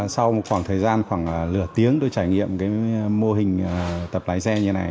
sau một khoảng thời gian khoảng nửa tiếng tôi trải nghiệm mô hình tập lái xe như này